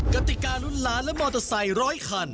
กติการุ่นล้านและมอเตอร์ไซค์ร้อยคัน